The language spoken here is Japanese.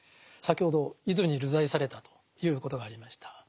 先ほど伊豆に流罪されたということがありました。